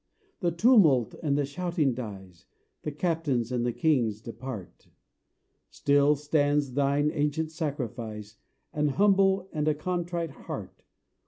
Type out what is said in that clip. The tumult and the shouting dies; The captains and the kings depart: Still stands Thine ancient sacrifice, An humble and a contrite heart.